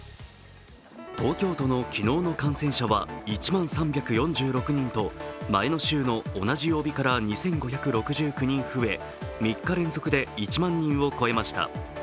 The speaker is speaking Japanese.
東京都の昨日の感染者は１万３４６人と前の週の同じ曜日から２５６９人増え、３日連続で１万人を超えました。